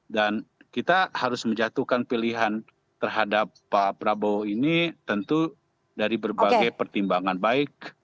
dan kita harus menjatuhkan pilihan terhadap pak prabowo ini tentu dari berbagai pertimbangan baik